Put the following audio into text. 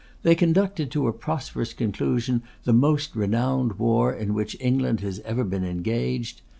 They conducted to a prosperous conclusion the most renowned war in which England has ever been engaged.